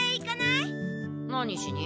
何しに？